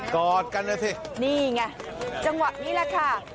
กอดกันเอาสินี่ไงจังหวะนี้ล่ะค่ะ